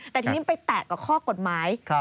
แต่ทีนี้มันไปแตะกับข้อกฎหมาย